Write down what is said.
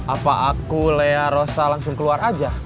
apa aku lea rosa langsung keluar aja